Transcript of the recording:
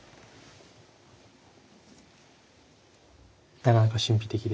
なかなか神秘的で。